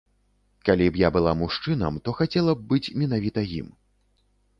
Калі б я была мужчынам, то хацела б быць менавіта ім.